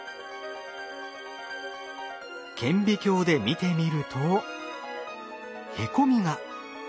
顕微鏡で見てみるとへこみが。